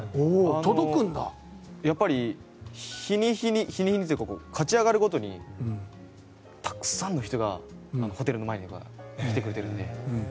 やっぱり、日に日にというか勝ち上がるごとにたくさんの人がホテルの前に来てくれているので。